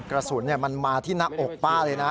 กระสุนมันมาที่หน้าอกป้าเลยนะ